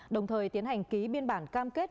đồng thời tiến hành ký biên bản cam kết